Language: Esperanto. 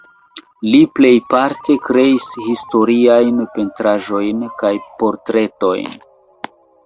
Li plejparte kreis historiajn pentraĵojn kaj portretojn.